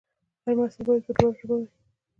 هر محصول باید په دواړو ژبو وي.